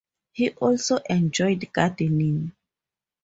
He also enjoyed gardening.